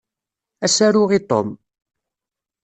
Ad as-aruɣ i Tom.